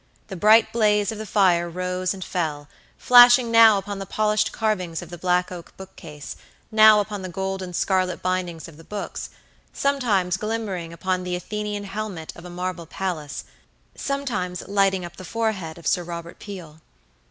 The bright blaze of the fire rose and fell, flashing now upon the polished carvings of the black oak bookcase, now upon the gold and scarlet bindings of the books; sometimes glimmering upon the Athenian helmet of a marble Pallas, sometimes lighting up the forehead of Sir Robert Peel.